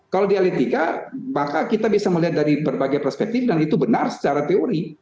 kalau dialektika maka kita bisa melihat dari berbagai perspektif dan itu benar secara teori